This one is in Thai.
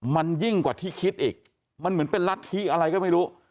มันยิ่งกว่าที่คิดอีกมันเหมือนเป็นรัฐธิอะไรก็ไม่รู้